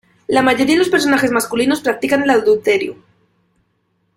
La mayoría de los personajes masculinos practican el adulterio.